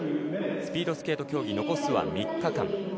スピードスケート競技残すは３日間。